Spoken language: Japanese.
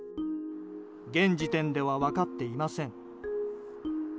現時点では分かっていません。